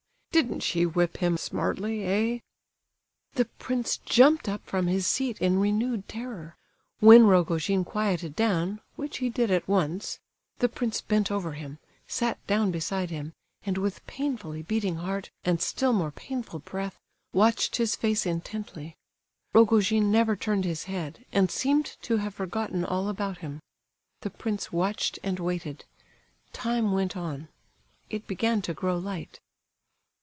Didn't she whip him smartly, eh?" The prince jumped up from his seat in renewed terror. When Rogojin quieted down (which he did at once) the prince bent over him, sat down beside him, and with painfully beating heart and still more painful breath, watched his face intently. Rogojin never turned his head, and seemed to have forgotten all about him. The prince watched and waited. Time went on—it began to grow light.